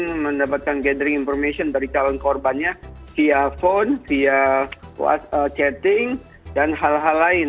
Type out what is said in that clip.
kita mendapatkan gathering information dari calon korbannya via phone via chatting dan hal hal lain